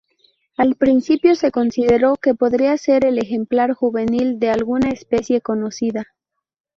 Al principio se consideró que podría ser el ejemplar juvenil de alguna especie conocida.